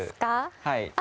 はい。